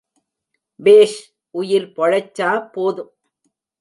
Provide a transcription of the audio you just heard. பேஷ் உயிர் பொழச்சா போதும்.